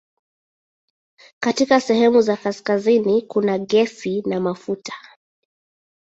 Katika sehemu za kaskazini kuna gesi na mafuta.